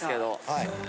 はい。